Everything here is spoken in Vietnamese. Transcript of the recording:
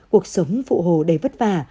cuộc sống phụ hồ đầy vất vả